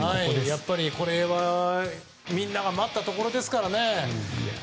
これは、みんなが待ったところですからね。